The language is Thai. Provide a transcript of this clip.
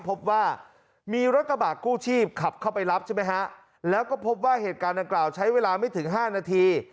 พบว่ามีรถกระบะกู้ชีพขับเข้าไปรับใช่ไหมฮะแล้วก็พบว่าเหตุการณ์ดังกล่าวใช้เวลาไม่ถึง๕นาที